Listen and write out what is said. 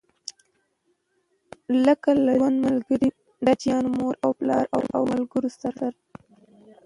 لکه له ژوند ملګري، بچيانو، مور او پلار او ملګرو سره.